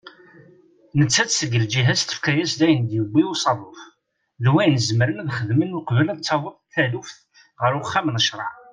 Nettat seg lǧiha-as tefka-yas-d ayen i d-yewwi usaḍuf d wayen zemren ad xedmen uqbel ad taweḍ taluft ɣer uxxam n ccraɛ.